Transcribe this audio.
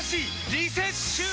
リセッシュー！